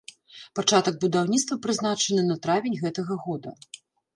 Пачатак будаўніцтва прызначаны на травень гэтага года.